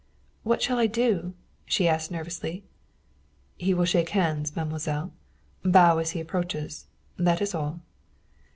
"What shall I do?" she asked nervously. "He will shake hands, mademoiselle. Bow as he approaches. That is all."